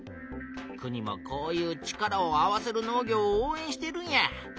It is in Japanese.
国もこういう「力を合わせる農業」をおうえんしているんや。